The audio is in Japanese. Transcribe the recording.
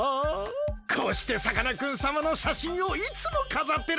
こうしてさかなクンさまのしゃしんをいつもかざってるんです。